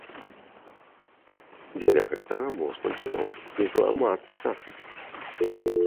Дзеля гэтага можна было б і зламацца.